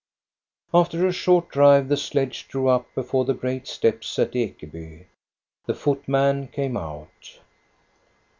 After a short drive the sledge drew up before the great steps at Ekeby. The footman came out.